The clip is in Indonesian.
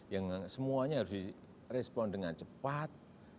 yang semuanya harus direspon dengan cepat